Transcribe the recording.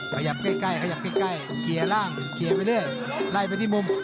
ขยับใกล้ขยับใกล้เคลียร์ร่างเคลียร์ไปเรื่อยไล่ไปที่มุม